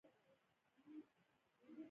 د اټوم په هسته کې دوه ډوله ذرې شتون لري.